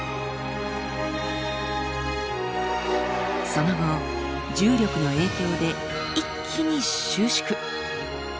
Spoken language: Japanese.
その後重力の影響で一気に収縮。